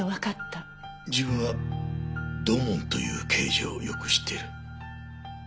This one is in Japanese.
自分は土門という刑事をよく知っている。